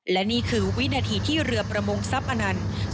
และนี่คือวินาทีที่เรือประมงทรัพย์อนันต์